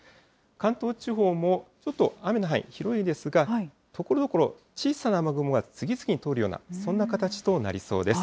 関東地方もちょっと雨の範囲広いですが、ところどころ、小さな雨雲が次々に通るような、そんな形となりそうです。